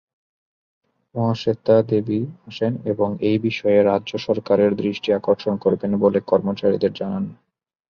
মহাশ্বেতা দেবী আসেন এবং এই বিষয়ে রাজ্য সরকারের দৃষ্টি আকর্ষণ করবেন বলে কর্মচারীদের জানান।